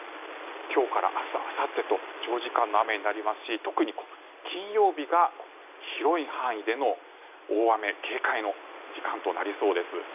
今日から明日あさってと長時間の雨になりますし特に金曜日が広い範囲での大雨警戒の時間となりそうです。